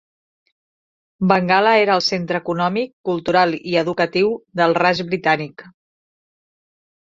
Bengala era el centre econòmic, cultural i educatiu del Raj britànic.